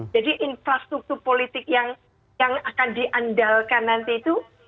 jadi infrastruktur politik yang akan diandalkan nanti itu